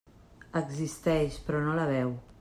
Existeix, però no la veu.